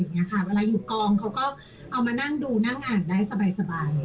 เวลาอยู่กองเขาก็เอามานั่งดูหน้างานได้สบายเลย